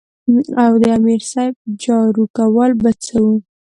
او د امیر صېب جارو کول به څۀ وو ـ